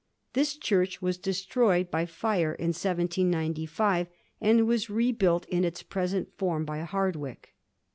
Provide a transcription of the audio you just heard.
This church was destroyed by fire in 1795, and was rebuilt in its present form by Hardwick.